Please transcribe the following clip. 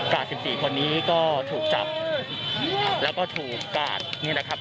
กาทสิบสี่คนนี้ก็ถูกจับแล้วก็ถูกกาทนี่นะครับ